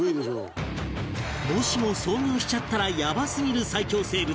もしも遭遇しちゃったらヤバすぎる最恐生物